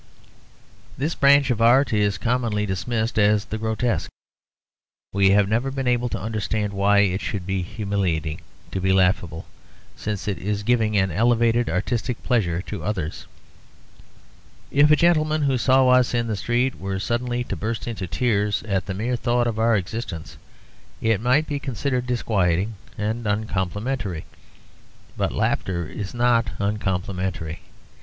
This branch of art is commonly dismissed as the grotesque. We have never been able to understand why it should be humiliating to be laughable, since it is giving an elevated artistic pleasure to others. If a gentleman who saw us in the street were suddenly to burst into tears at the mere thought of our existence, it might be considered disquieting and uncomplimentary; but laughter is not uncomplimentary.